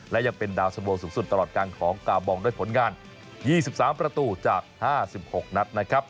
และยังเป็นดาวสโบสูงสุดตลอดการของกาบองด้วยผลงาน๒๓ประตูจาก๕๖นัดนะครับ